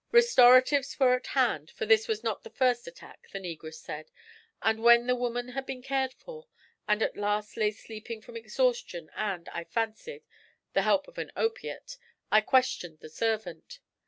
Restoratives were at hand, for this was not the first attack, the negress said; and when the woman had been cared for, and at last lay sleeping from exhaustion and, I fancied, the help of an opiate, I questioned the servant.